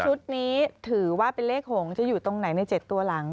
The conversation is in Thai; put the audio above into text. ชุดนี้ถือว่าเป็นเลข๖จะอยู่ตรงไหนใน๗ตัวหลัง